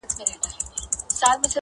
ژبي سل ځايه زخمي د شهبازونو.!